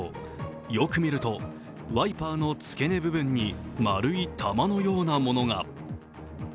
よく見ると、ワイパーの付け根部分に丸い玉のようなものが。